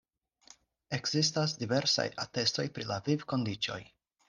Ekzistas diversaj atestoj pri la vivkondiĉoj.